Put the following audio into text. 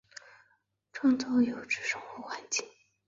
创造优质生活环境